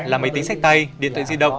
là máy tính sách tay điện thoại di động